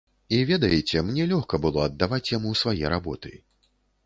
І, ведаеце, мне лёгка было аддаваць яму свае работы.